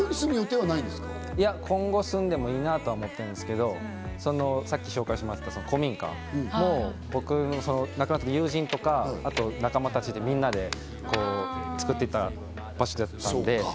今後、住んでもいいと思ってるんですけど、さっき紹介してもらった古民家、亡くなった友人とか仲間たちでみんなで造っていた場所だったので。